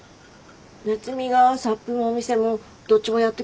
夏海がサップもお店もどっちもやってくれてたんでしょ？